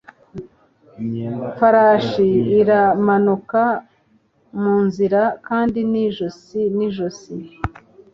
farashi iramanuka munzira kandi ni ijosi nijosi